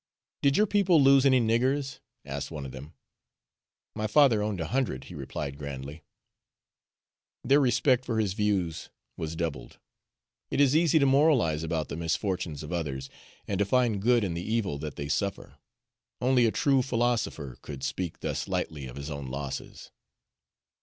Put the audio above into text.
"Did your people lose any niggers?" asked one of them. "My father owned a hundred," he replied grandly. Their respect for his views was doubled. It is easy to moralize about the misfortunes of others, and to find good in the evil that they suffer; only a true philosopher could speak thus lightly of his own losses.